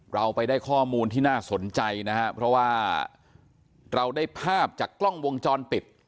เราไปได้ข้อมูลที่น่าสนใจนะครับเพราะว่าเราได้ภาพจากกล้องวงจรปิด